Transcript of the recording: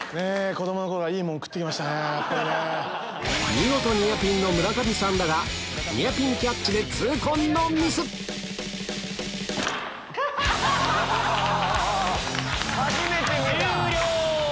見事ニアピンの村上さんだがニアピンキャッチで痛恨のミス終了！